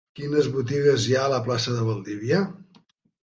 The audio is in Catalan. Quines botigues hi ha a la plaça de Valdivia?